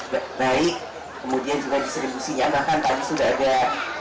baik kemudian juga distribusinya bahkan tadi sudah ada